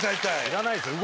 知らないですよ。